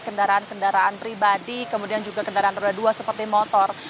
kendaraan kendaraan pribadi kemudian juga kendaraan roda dua seperti motor